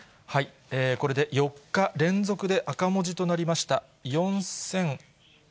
これで４日連続で赤文字となりました。